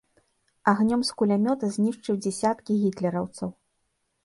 Агнём з кулямёта знішчыў дзесяткі гітлераўцаў.